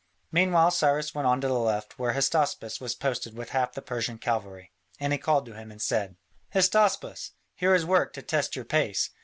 Meanwhile Cyrus went on to the left where Hystaspas was posted with half the Persian cavalry, and he called to him and said: "Hystaspas, here is work to test your pace!